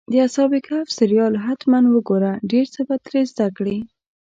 د اصحاب کهف سریال حتماً وګوره، ډېر څه به ترې زده کړې.